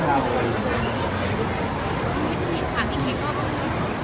ไม่มีนักสรรค์คิดนักสรรค์แน่นุอะไรอย่างเนี่ยค่ะ